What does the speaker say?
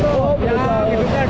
ya belut banget